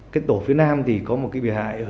cái tổ phía nam thì có một cái bị hại